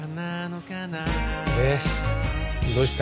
でどうした？